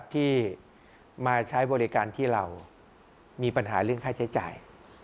ที่มาใช้บริการที่เรามีปัญหาเรื่องค่าใช้จ่าย